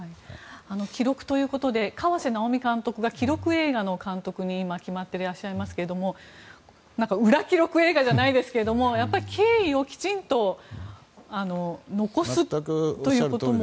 記録ということで河瀬直美監督が記録映画の監督に決まってらっしゃいますが裏記録映画じゃないですけどやっぱり経緯をきちんと残すということも。